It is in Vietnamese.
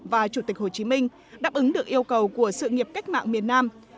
và chủ tịch hồ chí minh đáp ứng được yêu cầu của sự nghiệp cách mạng miền nam